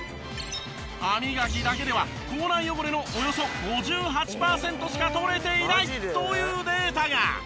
歯磨きだけでは口内汚れのおよそ５８パーセントしか取れていないというデータが。